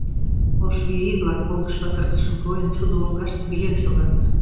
Ош виви-влак, полдышла тыртышын койын, шудо лоҥгаште йӱлен шогат.